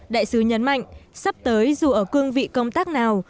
đại sứ nhấn mạnh sắp tới dù ở cương vị công tác nào